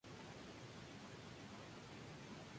Actualmente pertenece al Canguro Amateur Athletic Club.